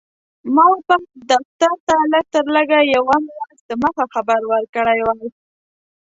ما باید دفتر ته لږ تر لږه یوه میاشت دمخه خبر ورکړی وای.